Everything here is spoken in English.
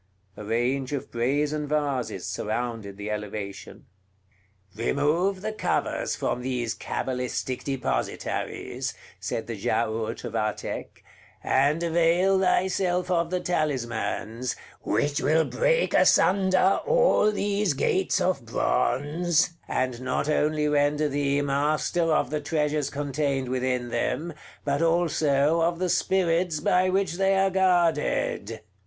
A range of brazen vases surrounded the elevation. "Remove the covers from these cabalistic depositaries," said the Giaour to Vathek, "and avail thyself of the talismans, which will break asunder all these gates of bronze, and not only render thee master of the treasures contained within them, but also of the spirits by which they are guarded."